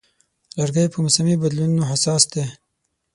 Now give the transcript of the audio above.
لرګی په موسمي بدلونونو حساس دی.